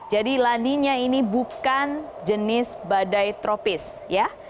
jadi laninya ini bukan jenis badai tropis ya